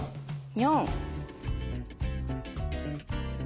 ４。